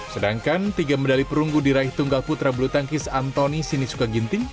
sedangkan tiga medali perunggu diraih tunggal putra bulu tangkis antoni sinisuka ginting